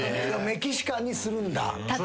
メキシカンにするんだ。